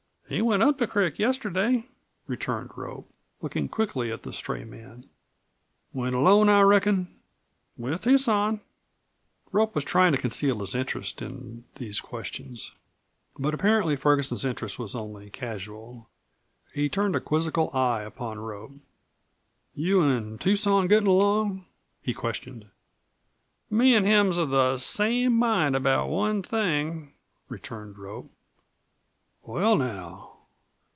"He went up the crick yesterday," returned Rope, looking quickly at the stray man. "Went alone, I reckon?" "With Tucson." Rope was trying to conceal his interest in these questions. But apparently Ferguson's interest was only casual. He turned a quizzical eye upon Rope. "You an' Tucson gettin' along?" he questioned. "Me an' him's of the same mind about one thing," returned Rope. "Well, now."